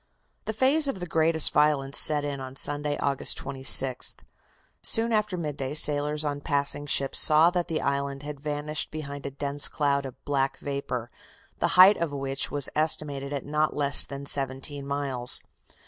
The phase of greatest violence set in on Sunday, August 26th. Soon after midday sailors on passing ships saw that the island had vanished behind a dense cloud of black vapor, the height of which was estimated at not less than seventeen miles.